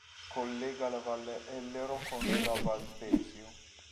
Collega la valle Ellero con la val Pesio.